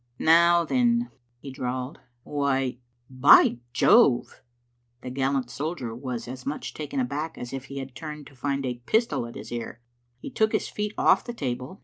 " Now then," he drawled, " why By Jove !" The gallant soldier was as much taken aback as if he had turned to find a pistol at his ear. He took his feet off the table.